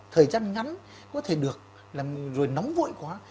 thời gian ngắn có thể được làm rồi nóng vội quá